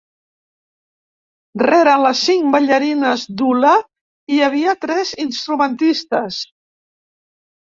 Rere les cinc ballarines d'hula hi havia tres instrumentistes.